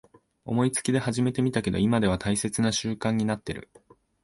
思いつきで始めてみたけど今では大切な習慣になってる